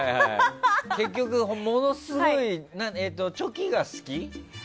結局ものすごいチョキが好き？